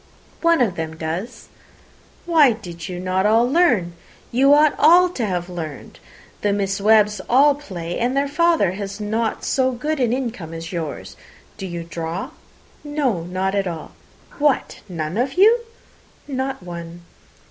"One of them does." "Why did not you all learn? You ought all to have learned. The Miss Webbs all play, and their father has not so good an income as yours. Do you draw?" "No, not at all." "What, none of you?" "Not one."